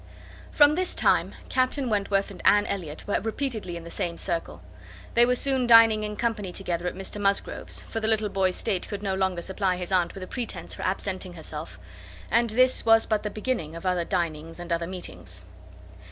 From this time Captain Wentworth and Anne Elliot were repeatedly in the same circle. They were soon dining in company together at Mr Musgrove's, for the little boy's state could no longer supply his aunt with a pretence for absenting herself; and this was but the beginning of other dinings and other meetings.